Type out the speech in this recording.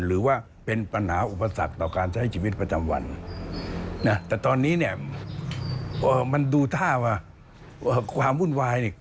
หรือว่าเป็นปัญหาอุปสรรคต่อการใช้ชีวิตประจำวันนะแต่ตอนนี้เนี่ยมันดูท่าว่าความวุ่นวายเนี่ย